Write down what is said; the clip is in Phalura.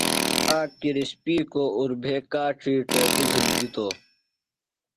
آک کرِسپیکوۡ اُربھے کاڇی ٹوپیۡ جُھلیۡ دِتوۡ۔